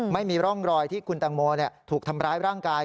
ไม่มีร่องรอยที่คุณตังโมถูกทำร้ายร่างกาย